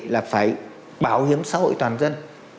là phải bảo hiểm xã hội toàn dân